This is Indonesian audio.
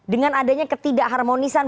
dengan adanya ketidak harmonisan